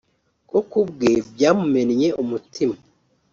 ko ku bwe byamumennye umutima